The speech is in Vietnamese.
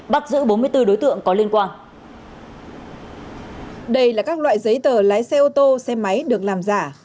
đây là các loại giấy tờ lái xe ô tô xe máy được làm giả